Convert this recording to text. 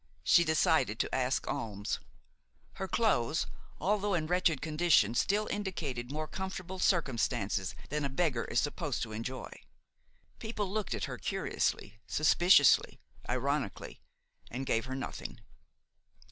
She decided to ask alms. Her clothes, although in wretched condition, still indicated more comfortable circumstances than a beggar is supposed to enjoy. People looked at her curiously, suspiciously, ironically, and gave her nothing.